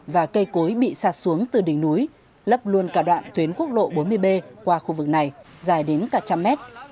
và cây cối bị sạt xuống từ đỉnh núi lấp luôn cả đoạn tuyến quốc lộ bốn mươi b qua khu vực này dài đến cả trăm mét